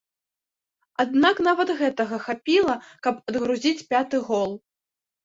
Аднак нават гэтага хапіла, каб адгрузіць пяты гол.